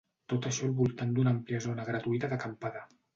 Tot això al voltant d’una àmplia zona gratuïta d’acampada.